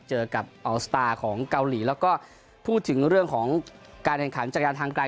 เจอกับอัลสตาร์ของเกาหลีแล้วก็พูดถึงเรื่องของการแข่งขันจักรยานทางไกล